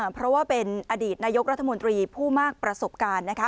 เพราะว่าเป็นอดีตนายกรัฐมนตรีผู้มากประสบการณ์นะคะ